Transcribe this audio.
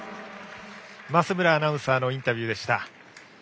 増村アナウンサーのインタビューでした。